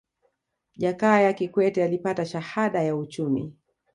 jakaya kikwete alipata shahada ya uchumi